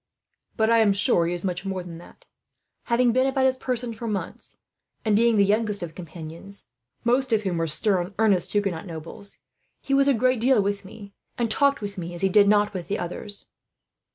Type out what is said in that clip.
But I am sure he is much more than that. Having been about his person for months, and being the youngest of his companions most of whom were stern, earnest Huguenot nobles he was a great deal with me, and talked with me as he did not with the others.